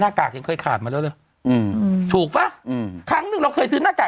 กากยังเคยขาดมาแล้วเลยอืมถูกป่ะอืมครั้งหนึ่งเราเคยซื้อหน้ากาก